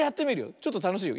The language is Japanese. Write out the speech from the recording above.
ちょっとたのしいよ。